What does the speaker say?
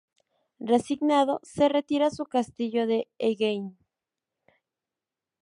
Resignado, se retira a su castillo de Enghien.